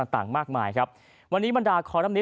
ต่างมากมายครับวันนี้บรรดา